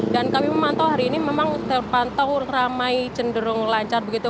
dan kami memantau hari ini memang terpantau ramai cenderung lancar begitu